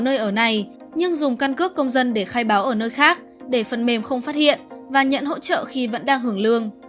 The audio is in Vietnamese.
nơi ở này nhưng dùng căn cước công dân để khai báo ở nơi khác để phần mềm không phát hiện và nhận hỗ trợ khi vẫn đang hưởng lương